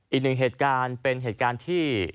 อีกหนึ่งเหตุการณ์เป็นเหตุการณ์ที่